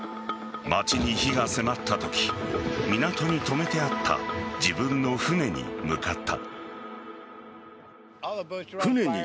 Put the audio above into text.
町に火が迫ったとき港に止めてあった自分の船に向かった。